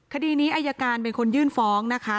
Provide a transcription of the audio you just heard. คดีนี้อายการเป็นคนยื่นฟ้องนะคะ